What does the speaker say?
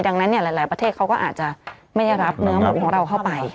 ดังนั้นหลายประเทศเขาก็อาจจะไม่ได้รับเนื้อหมูของเราเข้าไป